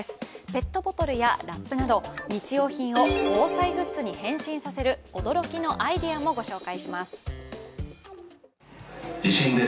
ペットボトルやラップなど日用品を防災グッズに変身させる驚きのアイデアも紹介します。